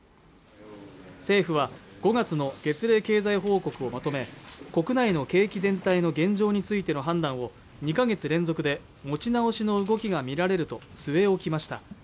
政府は５月の月例経済報告をまとめ国内の景気全体の現状についての判断を２か月連続で持ち直しの動きが見られると据え置きました